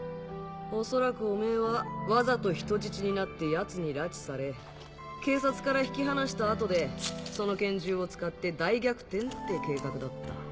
おそらくおめぇはわざと人質になってヤツに拉致され警察から引き離した後でその拳銃を使って大逆転って計画だった。